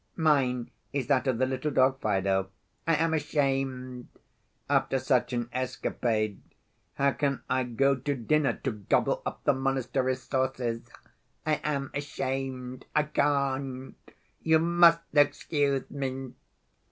Mine is that of the little dog Fido. I am ashamed! After such an escapade how can I go to dinner, to gobble up the monastery's sauces? I am ashamed, I can't. You must excuse me!"